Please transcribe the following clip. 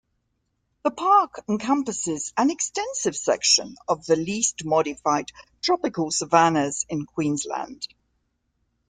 The park encompasses an extensive section of the least modified tropical savannas in Queensland.